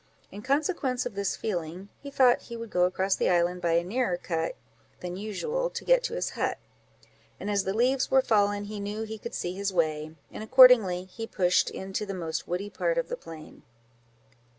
In consequence of this feeling, he thought he would go across the island by a nearer cut than usual to get to his hut; and as the leaves were fallen, he knew he could see his way; and accordingly he pushed into the most woody part of the plain.